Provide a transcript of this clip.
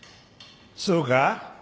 そうか？